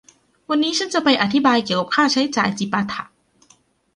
วันนี้ฉันจะไปอธิบายเกี่ยวกับค่าใช้จ่ายจิปาถะ